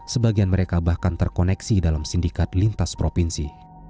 sebagian mereka bahkan terkoneksi dalam sindikat lintas provinsi